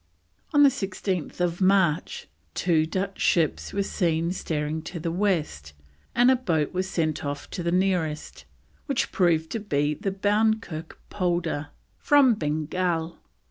On 16th March two Dutch ships were seen steering to the west, and a boat was sent off to the nearest, which proved to be the Bownkirke Polder, from Bengal.